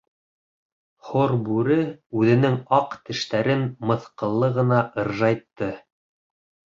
Һорбүре үҙенең аҡ тештәрен мыҫҡыллы ғына ыржайтты.